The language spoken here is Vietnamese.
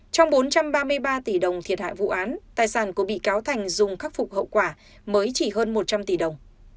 trong bốn trăm ba mươi ba tỷ đồng thiệt hại vụ án tài sản của bị cáo thành dùng khắc phục hậu quả mới chỉ hơn một trăm linh tỷ đồng